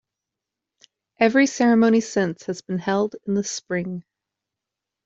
Every ceremony since has been held in the spring.